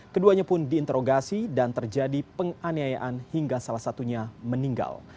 keduanya pun diinterogasi dan terjadi penganiayaan hingga salah satunya meninggal